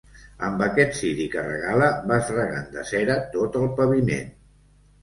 Amb aquest ciri que regala vas regant de cera tot el paviment.